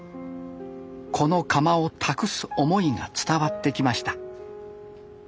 この窯を託す思いが伝わってきました。